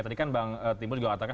tadi kan bang timbul juga katakan